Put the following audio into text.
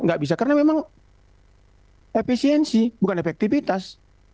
nggak bisa karena memang efisiensi bukan efektivitas